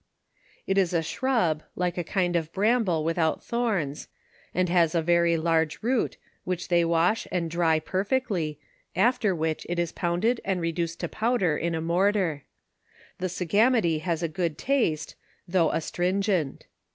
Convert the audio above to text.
It is a shrub, like a kind of bramble with out thorns, and has a very large root, which they wash and dry perfectly, after which it is pounded and reduced to pow der in a mortar. The sagamity has a good taste, though astringent.